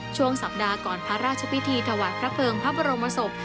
ช่วงสัปดาห์ก่อนพระราชพิธีถวายพระเภิงพระบรมศพ